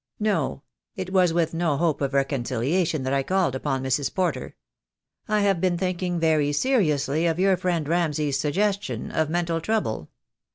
No, it was with no hope of reconciliation that I called upon Mrs. Porter. I have been thinking very seriously of your friend Ramsay's suggestion of mental trouble.